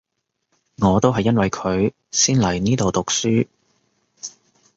我都係因為佢先嚟呢度讀書